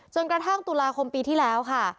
กระทั่งตุลาคมปีที่แล้วค่ะ